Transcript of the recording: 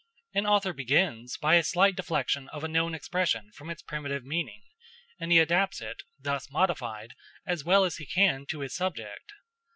An author begins by a slight deflection of a known expression from its primitive meaning, and he adapts it, thus modified, as well as he can to his subject.